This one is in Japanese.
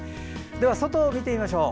では、外を見てみましょう。